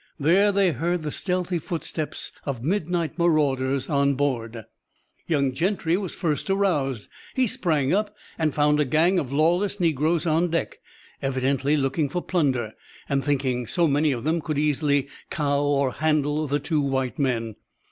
There they heard the stealthy footsteps of midnight marauders on board. Young Gentry was first aroused. He sprang up and found a gang of lawless negroes on deck, evidently looking for plunder, and thinking so many of them could easily cow or handle the two white men.